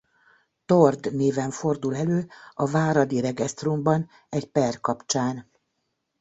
Thord néven fordul elő a Váradi Regestrumban egy per kapcsán.